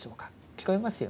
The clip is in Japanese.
聞こえますよね。